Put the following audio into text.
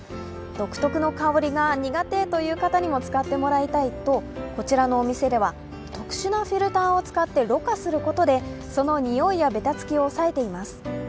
独特な香りが苦手という方にも使ってもらいたいとこちらのお店では、特殊なフィルターを使ってろ過することでそのにおいやべたつきを抑えています。